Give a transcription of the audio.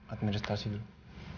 aduh ngeri setelah sedih dulu